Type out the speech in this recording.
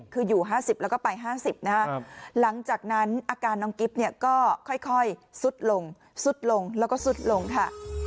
คืออยู่๕๐แล้วก็ไป๕๐นะฮะหลังจากนั้นอาการน้องกิ๊บเนี่ยก็ค่อยซุดลงสุดลงแล้วก็ซุดลงค่ะ